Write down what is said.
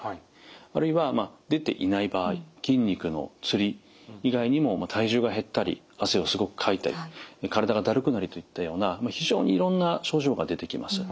あるいは出ていない場合筋肉のつり以外にも体重が減ったり汗をすごくかいたり体がだるくなるといったような非常にいろんな症状が出てきます。